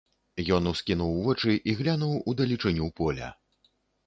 Ён ускінуў вочы і глянуў у далечыню поля.